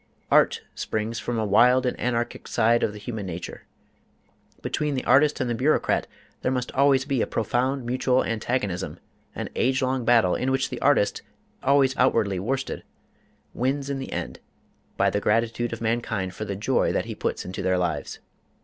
Art springs from a wild and anarchic side of human nature; between the artist and the bureaucrat there must always be a profound mutual antagonism, an age long battle in which the artist, always outwardly worsted, wins in the end through the gratitude of mankind for the joy that he puts into their lives.